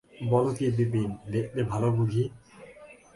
বল কী বিপিন, দেখতে ভালো বুঝি?